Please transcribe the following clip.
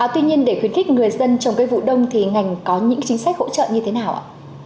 tuy nhiên để khuyến khích người dân trồng cây vụ đông thì ngành có những chính sách hỗ trợ như thế nào ạ